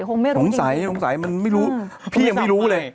คงไม่รู้สงสัยทรงสัยมันไม่รู้